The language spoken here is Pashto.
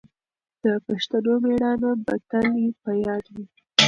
د پښتنو مېړانه به تل په یاد وي.